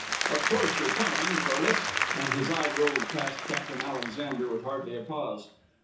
Of course, you're coming, Corliss, and " His eye roved past Captain Alexander with hardly a pause.